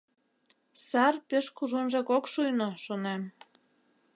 Сар пеш кужунжак ок шуйно, шонем.